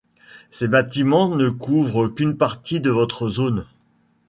Ces bâtiments ne couvrent qu'une partie de votre zone.